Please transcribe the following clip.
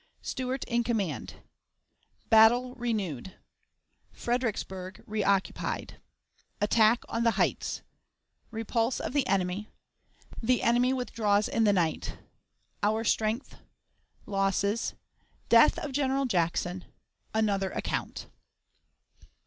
Stuart in Command. Battle renewed. Fredericksburg reoccupied. Attack on the Heights. Repulse of the Enemy. The Enemy withdraws in the Night. Our Strength. Losses. Death of General Jackson. Another Account.